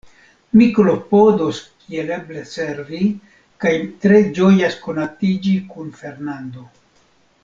Mi klopodos kiel eble servi, kaj tre ĝojas konatiĝi kun Fernando.